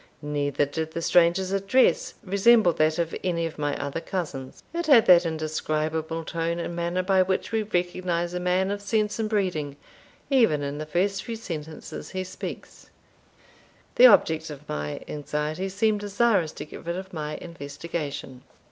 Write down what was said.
Neither did the stranger's address resemble that of any of my other cousins; it had that indescribable tone and manner by which we recognise a man of sense and breeding, even in the first few sentences he speaks. The object of my anxiety seemed desirous to get rid of my investigation.